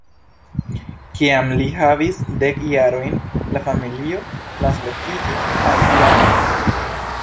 Kiam li havis dek jarojn la familio translokiĝis al Irano.